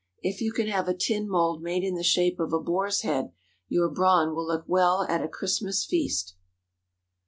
If you can have a tin mould made in the shape of a boar's head, your brawn will look well at a Christmas feast.